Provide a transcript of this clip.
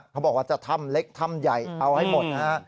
เขาบอกว่าจะถ้ำเล็กถ้ำใหญ่เอาให้หมดนะฮะ